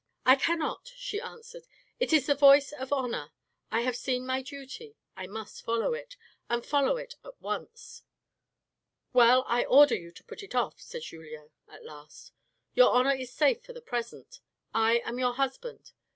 I cannot," she answered, " it is the voice of honour, I have seen my duty, I must follow it, and follow it at once." "Well, I order you to put it off," said Julien at last. " Your honour is safe for the present. I am your husband.